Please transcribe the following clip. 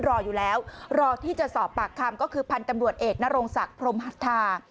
รออยู่แล้วรอที่จะปากคำก็คือพันธ์ตำรวจเอกณโรงสรรค์พรมฮัทธา